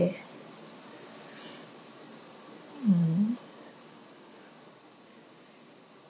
うん。